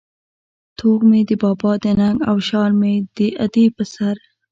توغ مې د بابا د ننگ او شال مې د ادې په سر